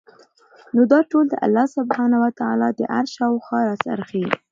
نو دا ټول د الله سبحانه وتعالی د عرش شاوخوا راڅرخي